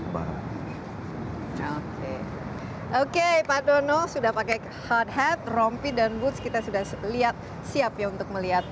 baru oke pak dono sudah pakai hot hat rompi dan boots kita sudah lihat siap untuk melihat